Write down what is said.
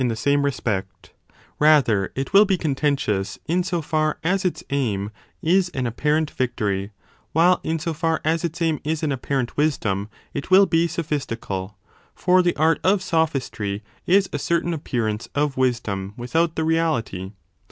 CHAPTER XI i 7 i b same respect ; rather, it will be contentious in so far as its aim is an apparent victory, while in so far as its aim is an apparent wisdom, it will be sophistical : for the art of sophistry is a certain appearance of wisdom without the reality.